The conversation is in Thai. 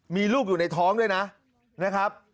มีลูกอยู่ในท้องด้วยนะครับ